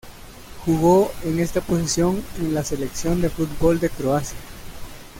Jugó en esta posición en la Selección de fútbol de Croacia.